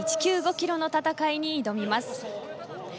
キロの戦いに挑みます。